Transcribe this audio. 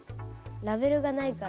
ラベルがないから。